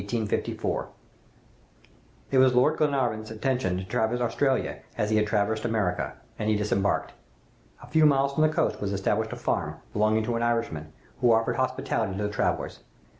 "It was Lord Glenarvan's intention to traverse Australia as he had traversed America, and he disembarked. A few miles from the coast was established a farm, belonging to an Irishman, who offered hospitality to the travelers.